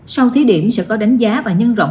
sau thí điểm sẽ có đánh giá và nhân rộng